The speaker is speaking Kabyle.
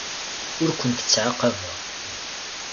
Ur kent-ttɛaqabeɣ.